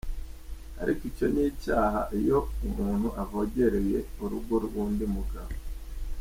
Ubundi icyo ni icyaha iyo umuntu avogereye urugo rw’undi mugabo.